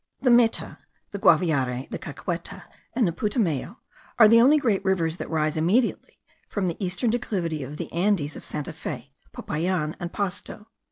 The Meta, the Guaviare, the Caqueta, and the Putumayo, are the only great rivers that rise immediately from the eastern declivity of the Andes of Santa Fe, Popayan, and Pasto.